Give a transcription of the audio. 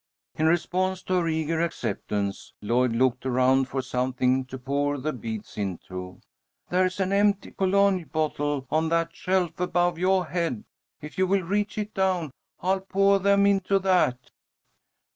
In response to her eager acceptance, Lloyd looked around for something to pour the beads into. "There's an empty cologne bottle on that shelf above yoah head. If you will reach it down, I'll poah them into that."